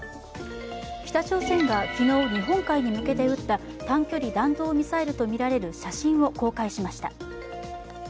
北朝鮮が昨日、日本海に向けて撃った短距離弾道ミサイルとみられる写真を公開しました。